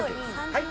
はい。